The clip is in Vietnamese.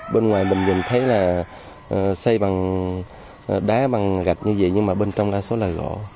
bên ngoài mình nhìn thấy là xây bằng đá bằng gạch như vậy nhưng mà bên trong đa số là gỗ